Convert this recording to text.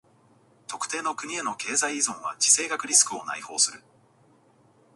特定の国への経済依存は地政学リスクを内包する。